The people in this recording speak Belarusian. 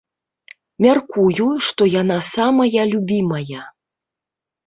Мяркую, што яна самая любімая.